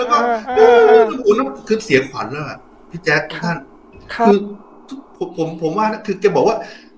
แล้วก็คือเสียงขวัญแล้วอ่ะพี่แจ๊คท่านค่ะคือผมผมว่านะคือแกบอกว่า